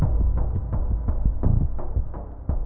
ya lo bet lagi